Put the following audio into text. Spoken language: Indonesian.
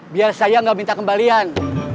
biar saya nggak minta kembalian